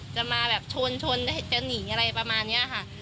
จะมาแบบชนชนจะหนีอะไรประมาณนี้ค่ะ